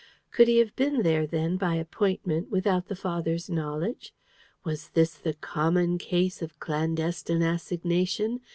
Could he have been there, then, by appointment, without the father's knowledge? Was this the common case of a clandestine assignation?